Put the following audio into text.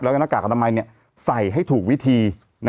แล้วก็หน้ากากอนามัยใส่ให้ถูกวิธี